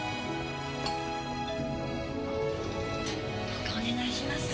どうかお願いします。